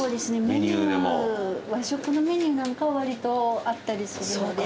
メニュー和食のメニューなんかは割とあったりするので。